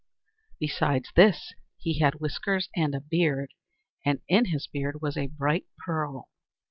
Besides this, he had whiskers and a beard, and in his beard was a bright pearl.